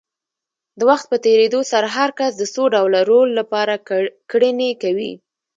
د وخت په تېرېدو سره هر کس د څو ډوله رول لپاره کړنې کوي.